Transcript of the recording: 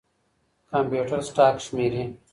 کمپيوټر سټاک شمېرې.